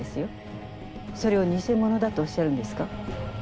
それをにせものだとおっしゃるんですか？